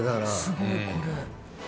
すごいこれ。